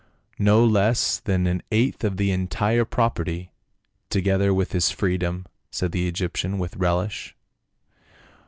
" No less than an eighth of the entire property," together with his freedom," said the Egyptian with relish.